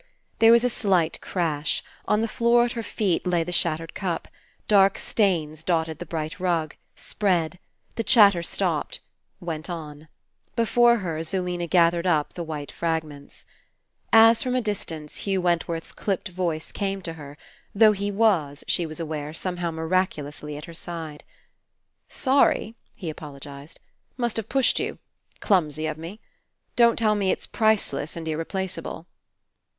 There was a slight crash. On the floor at her feet lay the shattered cup. Dark stains dotted the bright rug. Spread. The chatter stopped. Went on. Before her, Zulena gathered up the white fragments. As from a distance Hugh Wentworth's dipt voice came to her, though he was, she 171 PASSING w^s aware, somehow miraculously at her side. "Sorry," he apologized. "Must have pushed you. Clumsy of me. Don't tell me it's priceless and irreplaceable."